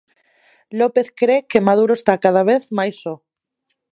López cre que Maduro está cada vez máis só.